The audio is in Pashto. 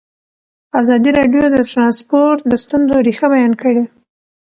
ازادي راډیو د ترانسپورټ د ستونزو رېښه بیان کړې.